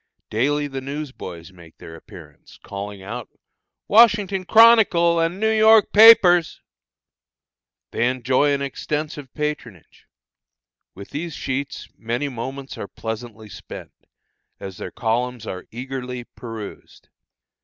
Daily the news boys make their appearance, calling out: "Washington Chronicle and New York papers!" They enjoy an extensive patronage. With these sheets many moments are pleasantly spent, as their columns are eagerly perused.